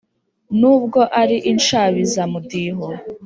n’ubwo ari inshabizamudiho.